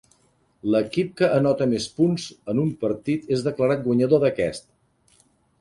L'equip que anota més punts en un partit és declarat guanyador d'aquest.